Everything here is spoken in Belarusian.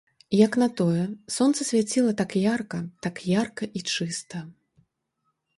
Як на тое, сонца свяціла так ярка, так ярка і чыста.